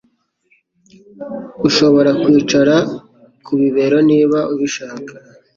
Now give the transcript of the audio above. Ushobora kwicara ku bibero niba ubishaka.